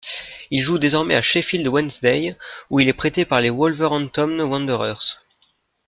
Il joue désormais à Sheffield Wednesday, où il est prêté par les Wolverhampton Wanderers.